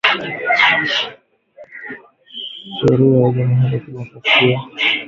Sheria ya jamuri ya ki democracia ya kongo ina sema ata mu ndowa wa chumbe